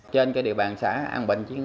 trên địa bàn xã an bình